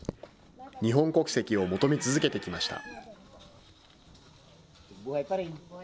日本国籍を求め続けてきました。